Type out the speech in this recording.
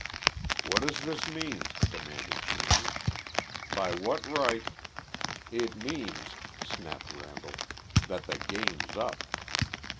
"What does this mean?" demanded Cheney. "By what right " "It means," snapped Randall, "that the game's up!"